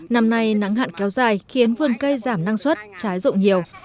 năm nay nắng hạn kéo dài khiến vườn cây giảm năng suất trái rộng nhiều